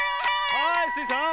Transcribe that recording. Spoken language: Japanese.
はいスイさん。